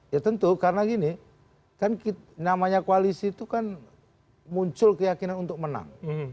ya tentu karena gini kan namanya koalisi itu kan muncul keyakinan untuk menang